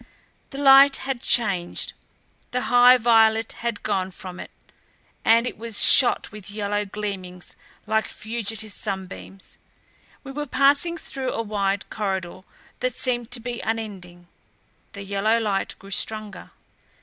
The light had changed; the high violet had gone from it, and it was shot with yellow gleamings like fugitive sunbeams. We were passing through a wide corridor that seemed to be unending. The yellow light grew stronger.